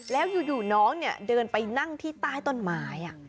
แล้วอยู่น้องเดินไปนั่งที่ใต้ต้นไม้